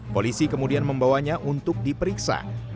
polisi kemudian membawanya untuk diperiksa